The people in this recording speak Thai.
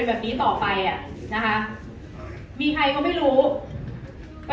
อ๋อแต่มีอีกอย่างนึงค่ะ